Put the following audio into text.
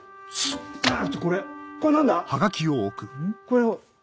これ。